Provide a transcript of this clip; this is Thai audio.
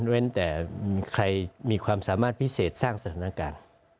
เว้นแต่ใครมีความสามารถพิเศษสร้างสถานการณ์